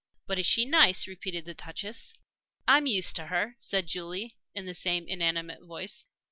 "But is she nice?" repeated the Duchess. "I'm used to her," said Julie, in the same inanimate voice.